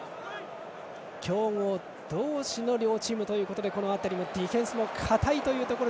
強豪同士の両チームということでこの辺り、ディフェンスも堅いところ。